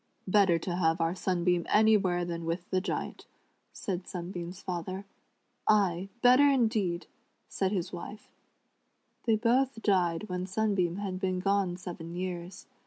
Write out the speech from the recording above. " Better have our Sunbeam anywhere than with the Giant," sa'd Sunbeam's father. "A} , better indeed !" said his wife. They both died when Sunbeam, had been gone seven years.